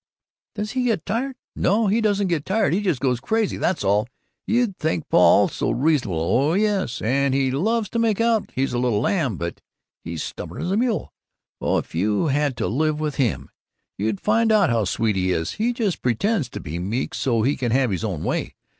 "Does he get tired? No, he doesn't get tired, he just goes crazy, that's all! You think Paul is so reasonable, oh, yes, and he loves to make out he's a little lamb, but he's stubborn as a mule. Oh, if you had to live with him ! You'd find out how sweet he is! He just pretends to be meek so he can have his own way.